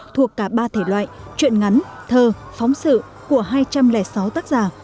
thuộc cả ba thể loại chuyện ngắn thơ phóng sự của hai trăm linh sáu tác giả